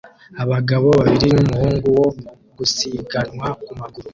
Abagabo babiri n'umuhungu wo gusiganwa ku maguru